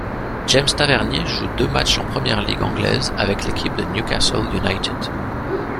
James Tavernier joue deux matchs en Premier League anglaise avec l'équipe de Newcastle United.